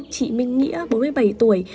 chị minh nghĩa bốn mươi bảy tuổi